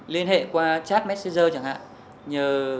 liên hệ qua chat messenger chẳng hạn